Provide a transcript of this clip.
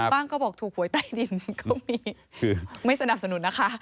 บ้างก็บอกถูกขวยใต้ดินก็มีคือ